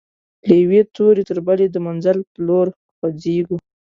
له یوې توري تر بلي د منزل پر لور خوځيږو